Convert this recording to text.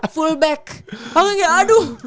fullback aku kayak aduh